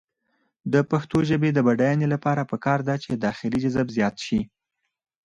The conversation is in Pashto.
د پښتو ژبې د بډاینې لپاره پکار ده چې داخلي جذب زیات شي.